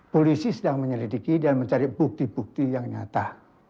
polisi sedang menyelidiki dan mencari bukti bukti yang nyata